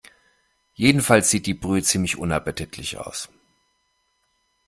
Jedenfalls sieht die Brühe ziemlich unappetitlich aus.